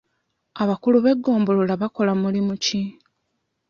Abakulu b'eggombolola bakola mulimu ki?